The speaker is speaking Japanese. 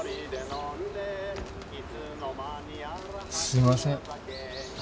すいません。